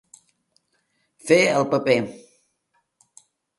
Fer el paper.